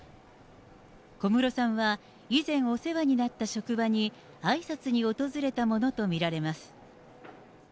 小室さんは、以前お世話になった職場にあいさつに訪れたものと見られます。